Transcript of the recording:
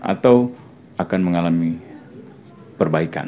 atau akan mengalami perbaikan